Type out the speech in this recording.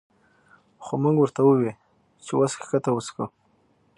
خو مونږ ورته ووې چې وس ښکته وڅښو